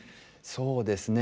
そうですね。